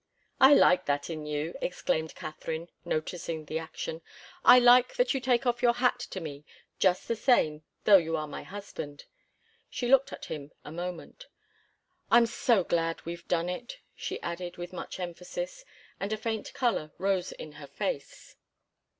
"I like that in you!" exclaimed Katharine, noticing the action. "I like you to take off your hat to me just the same though you are my husband." She looked at him a moment. "I'm so glad we've done it!" she added with much emphasis, and a faint colour rose in her face.